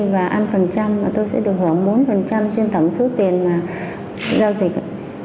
và ăn phần trăm mà tôi sẽ được hưởng bốn trên tầm số tiền giao dịch